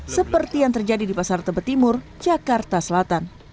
seperti yang terjadi di pasar tebet timur jakarta selatan